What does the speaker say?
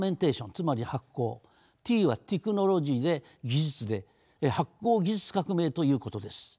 つまり発酵ＴはＴｅｃｈｎｏｌｏｇｙで技術で発酵技術革命ということです。